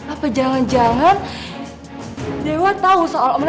apa jangan jangan dewa tau soal om lemos